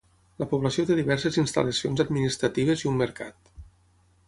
La població té diverses instal·lacions administratives i un mercat.